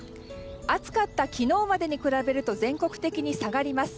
暑かった昨日までに比べると全国的に下がります。